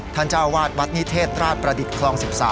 เจ้าวาดวัดนิเทศราชประดิษฐ์คลอง๑๓